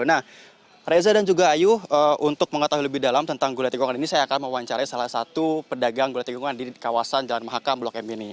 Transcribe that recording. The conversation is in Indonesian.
nah reza dan juga ayu untuk mengetahui lebih dalam tentang gulai tikungan ini saya akan mewawancarai salah satu pedagang gulai tikungan di kawasan jalan mahakam blok m ini